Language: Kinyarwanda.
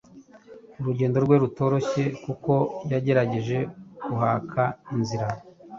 urugendo rwe rutorohye kuko yagerageje guhaka inzira.